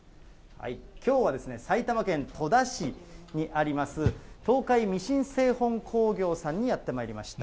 きょうは埼玉県戸田市にあります、東海ミシン製本工業さんにやってまいりました。